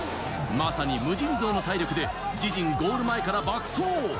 まさに無尽蔵の体力で自陣ゴール前から爆走。